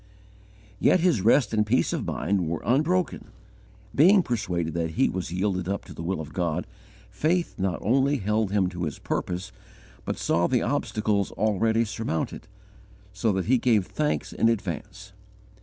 Yet his rest and peace of mind were unbroken. Being persuaded that he was yielded up to the will of God, faith not only held him to his purpose, but saw the obstacles already surmounted, so that he gave thanks in advance.